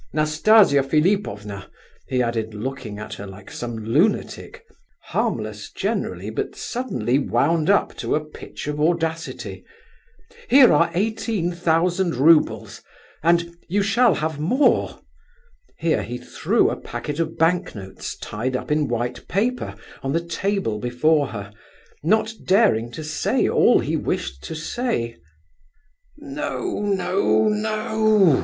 —Nastasia Philipovna," he added, looking at her like some lunatic, harmless generally, but suddenly wound up to a pitch of audacity, "here are eighteen thousand roubles, and—and you shall have more—." Here he threw a packet of bank notes tied up in white paper, on the table before her, not daring to say all he wished to say. "No—no—no!"